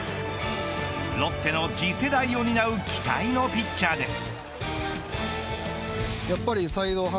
ロッテの次世代を担う期待のピッチャーです。